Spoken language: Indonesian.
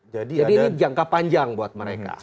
jadi ini jangka panjang buat mereka